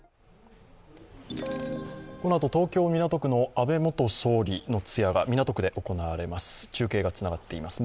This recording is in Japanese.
このあと、東京・港区の安倍元総理の通夜が港区で行われます、中継がつながっています。